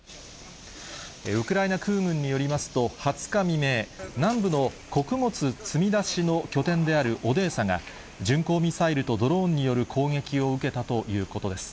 ウクライナ空軍によりますと、２０日未明、南部の穀物積み出しの拠点であるオデーサが、巡航ミサイルとドローンによる攻撃を受けたということです。